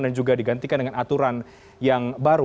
dan juga digantikan dengan aturan yang baru